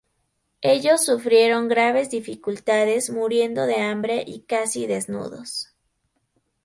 Ellos sufrieron graves dificultades, muriendo de hambre y casi desnudos.